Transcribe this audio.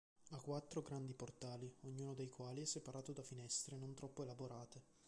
Ha quattro grandi portali ognuno dei quali è separato da finestre non troppo elaborate.